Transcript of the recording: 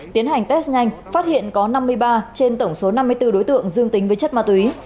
tiến hành test nhanh phát hiện có năm mươi ba trên tổng số năm mươi bốn đối tượng dương tính với chất ma túy